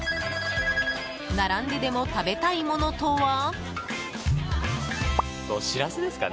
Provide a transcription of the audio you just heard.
並んででも食べたいものとは？